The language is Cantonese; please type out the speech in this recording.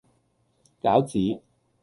餃子